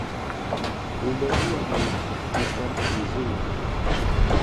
Ulemu wa muthu kupwa nyi zuwo.